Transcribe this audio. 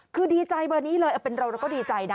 คือดีใจแบบนี้เลยเป็นเราก็ดีใจนะ